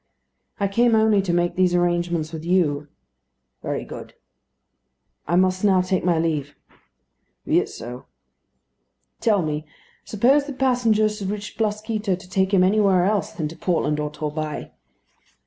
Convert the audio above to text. "I came only to make these arrangements with you." "Very good." "I must now take my leave." "Be it so." "Tell me; suppose the passenger should wish Blasquito to take him anywhere else than to Portland or Torbay?"